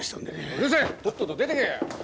うるせぇとっとと出てけ！